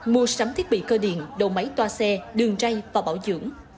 mua sắm thiết bị cơ điện đầu máy toa xe đường ray và bảo dưỡng